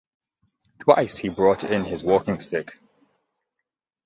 Twice he brought in his walking-stick.